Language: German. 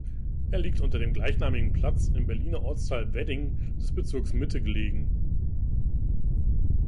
Er liegt unter dem gleichnamigen Platz im Berliner Ortsteil Wedding des Bezirks Mitte gelegen.